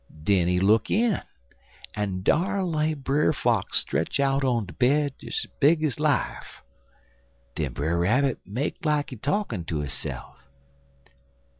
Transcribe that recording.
Den he look in, en dar lay Brer Fox stretch out on de bed des es big ez life. Den Brer Rabbit make like he talkin' to hisse'f.